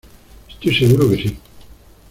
Estoy seguro que sí